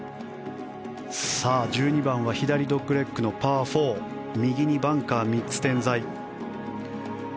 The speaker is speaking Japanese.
１２番は左ドッグレッグのパー４右にバンカー３つ点在。